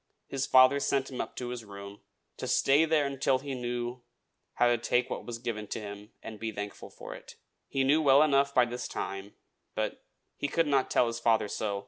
his father sent him up to his room, "to stay there until he knew how to take what was given him, and be thankful for it." He knew well enough by this time; but he could not tell his father so.